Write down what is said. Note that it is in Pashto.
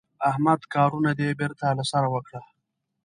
احمده کارونه دې بېرته له سره وکړه.